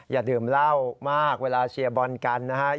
อย่าดื่มเหล้ามากเวลาเชียร์บอลกันนะครับ